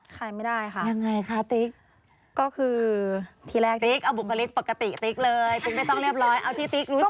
ขายไม่ได้ค่ะยังไงคะติ๊กก็คือทีแรกติ๊กเอาบุคลิกปกติติ๊กเลยตุ๊กไม่ต้องเรียบร้อยเอาที่ติ๊กรู้สึก